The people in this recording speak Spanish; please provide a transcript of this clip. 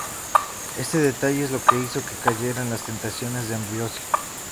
Este detalle es lo que hizo que cayera en las tentaciones de Ambrosia.